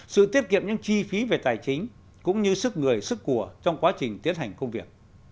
sự tiết kiệm những chi phí về tài chính cũng như sức người sức của trong quá trình tiến hành công việc